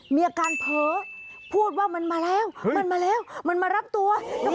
มีอาการเผลอพูดว่ามันมาแล้วมันมาแล้วมันมารับตัว